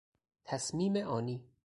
تصمیم آنی